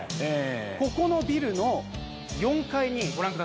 ここのビルの４階にご覧ください。